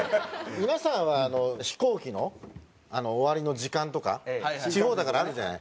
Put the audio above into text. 皆さんはあの飛行機の終わりの時間とか地方だからあるじゃない。